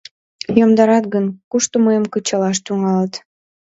Йомдарат гын, кушто мыйым кычалаш тӱҥалыт?